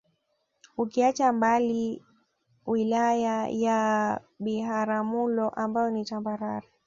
Ukiacha mbali Wilaya ya Biharamulo ambayo ni tambarare